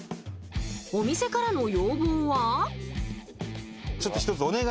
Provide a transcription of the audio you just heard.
お店からの要望は。